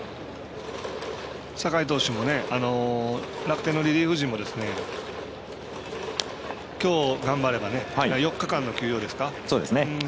酒居投手も楽天のリリーフ陣もきょう、頑張れば４日間の休養ですか。